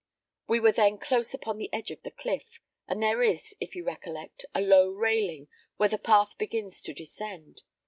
We were then close upon the edge of the cliff, and there is, if you recollect, a low railing, where the path begins to descend.